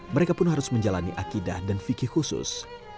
mereka pun harus menjalani akidah dan fikih khusus